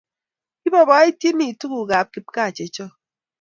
Kibaibaitynchini tukuk ab kipkaa chechoo